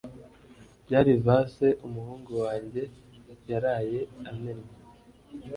Byari vase umuhungu wanjye yaraye amennye